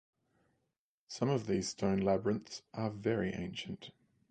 Some of these stone labyrinths are very ancient.